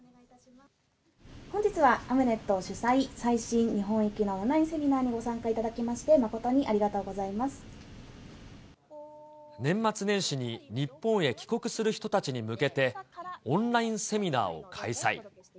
本日はアムネット主催、最新日本行きのオンラインセミナーにご参加いただきまして、年末年始に日本へ帰国する人たちに向けて、オンラインセミナーを開催。